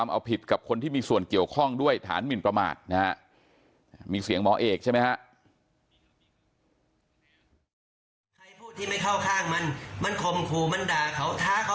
หมอปลาเคยไปกระถิ่นที่ไหนบ้างนะครับ